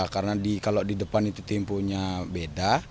karena kalau di depan itu temponya beda